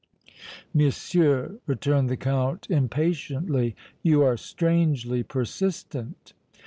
"Monsieur," returned the Count, impatiently, "you are strangely persistent."